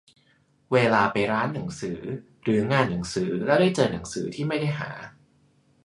เวลาไปร้านหนังสือหรืองานหนังสือแล้วได้เจอหนังสือที่ไม่ได้หา